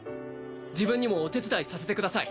自分にもお手伝いさせてください